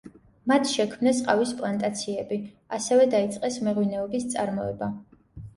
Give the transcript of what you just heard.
მათ შექმნეს ყავის პლანტაციები; ასევე დაიწყეს მეღვინეობის წარმოება.